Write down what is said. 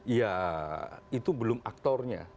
ya itu belum aktornya